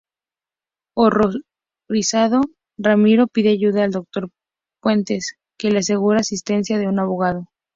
Horrorizado, Ramiro pide ayuda al Dr. Puentes, que le asegura asistencia de un abogado.